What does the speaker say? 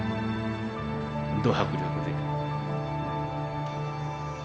ど迫力で。